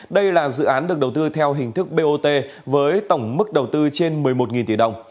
đây là dự án được đầu tư theo hình thức bot với tổng mức đầu tư trên một mươi một tỷ đồng